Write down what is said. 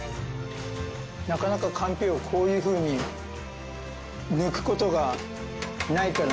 なかなかかんぴょうをこういうふうにぬく事がないからね本当。